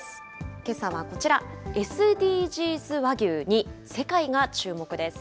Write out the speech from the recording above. けさはこちら、ＳＤＧｓ和牛に世界が注目です。